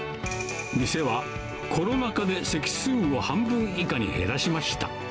店はコロナ禍で席数を半分以下に減らしました。